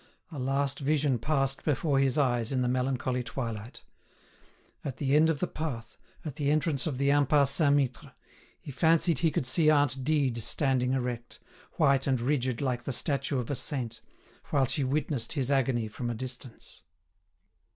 A last vision passed before his eyes in the melancholy twilight. At the end of the path, at the entrance of the Impasse Saint Mittre, he fancied he could see aunt Dide standing erect, white and rigid like the statue of a saint, while she witnessed his agony from a distance.